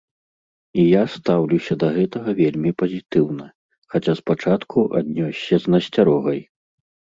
І я стаўлюся да гэтага вельмі пазітыўна, хаця спачатку аднёсся з насцярогай.